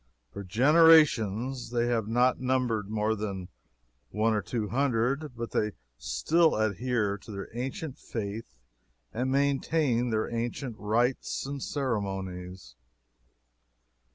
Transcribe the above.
For generations they have not numbered more than one or two hundred, but they still adhere to their ancient faith and maintain their ancient rites and ceremonies.